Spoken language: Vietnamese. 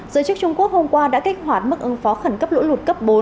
giới chức trung quốc hôm qua đã kích hoạt mức ứng phó khẩn cấp lũ lụt cấp bốn